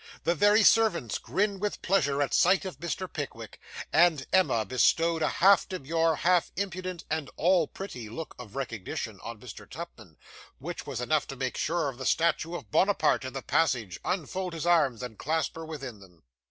The very servants grinned with pleasure at sight of Mr. Pickwick; and Emma bestowed a half demure, half impudent, and all pretty look of recognition, on Mr. Tupman, which was enough to make the statue of Bonaparte in the passage, unfold his arms, and clasp her within them.